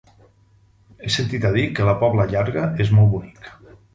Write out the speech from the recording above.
He sentit a dir que la Pobla Llarga és molt bonic.